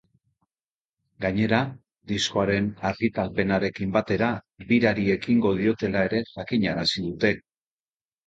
Gainera, diskoaren argitalpenarekin batera birari ekingo diotela ere jakinarazi dute.